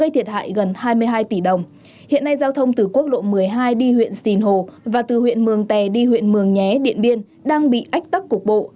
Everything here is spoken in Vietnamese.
hiện nay gần hai mươi hai tỷ đồng hiện nay giao thông từ quốc lộ một mươi hai đi huyện sìn hồ và từ huyện mường tè đi huyện mường nhé điện biên đang bị ách tắc cục bộ